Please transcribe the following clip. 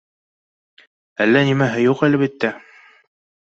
Әллә нимәһе юҡ, әлбиттә